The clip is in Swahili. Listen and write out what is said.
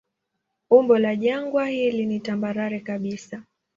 Umbo la jangwa hili ni tambarare kabisa.